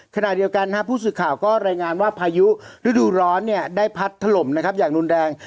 ขณะเดียวกันผู้สื่อข่าวก็รายงานว่าพายุฤดูร้อนได้พัดถล่มนะครับอย่างรุนแรง